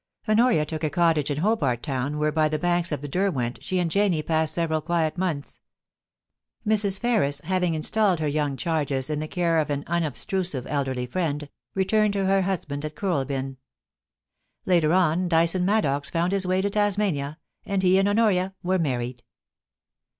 ♦♦#♦#♦ Honoria took a cottage in Hobart Town, where by the banks of the Derwent she and Janie passed several quiet months. Mrs. Ferris, having installed her young charges in 438 POLICY AND PASSION. the care of an unobtrusive elderly friend, returned to te husband at Kooralbya Later on, Dyson Maddox found his way to Tasmania, and he and Honoria were married.